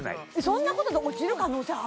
そんなことで落ちる可能性ある？